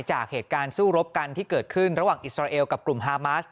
จากเหตุการณ์สู้รบกันที่เกิดขึ้นระหว่างอิสราเอลกับกลุ่มฮามาส